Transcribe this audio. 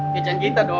kece kita dong